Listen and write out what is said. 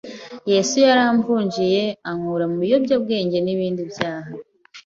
Yesu yaramvunjiye, ankura mu biyobyabwenge n’ibindi byaha